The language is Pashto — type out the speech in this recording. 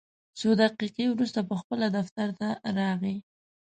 څو دقیقې وروسته پخپله دفتر ته راغی.